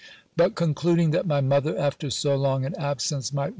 But concluding that my mother, after so long an absence, might wi.